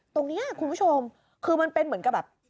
ตรงเนี่ยคุณผู้ชมคือมันเป็นเหมือนกับแบบ